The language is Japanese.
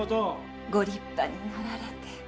ご立派になられて。